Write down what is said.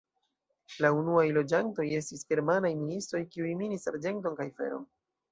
La unuaj loĝantoj estis germanaj ministoj, kiuj minis arĝenton kaj feron.